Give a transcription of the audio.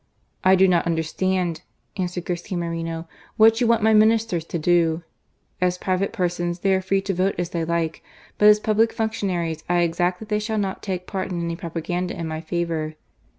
" I do not understand," answered Garcia Moreno, what you want my Ministers to do. As private persons, they are free to vote as they Hke ; but as pubhc functionaries I exact that they shall not take part in any propaganda in my favour."